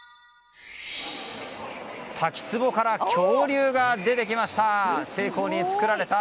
滝壺から恐竜が出てきました。